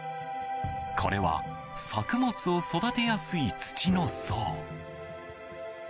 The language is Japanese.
これは作物を育てやすい土の層。